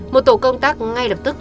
một tổ công tác ngay lập tức